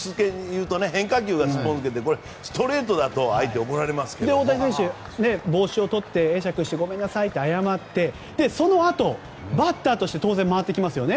変化球がストレートだと大谷選手、帽子を取って会釈して謝るんですけどそのあと、バッターとして当然回ってきますね。